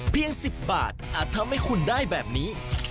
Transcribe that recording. ๑๐บาทอาจทำให้คุณได้แบบนี้